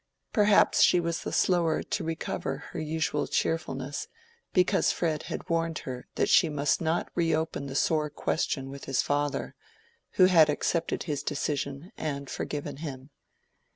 Perhaps she was the slower to recover her usual cheerfulness because Fred had warned her that she must not reopen the sore question with his father, who had accepted his decision and forgiven him.